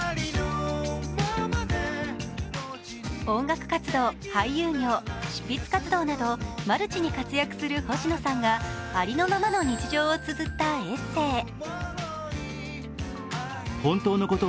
音楽活動、俳優業、執筆活動などマルチに活躍する星野さんがありのままの日常をつづったエッセー。